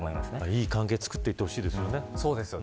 いい関係を作っていってほしいですね。